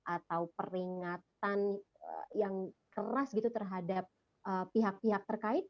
atau peringatan yang keras gitu terhadap pihak pihak terkait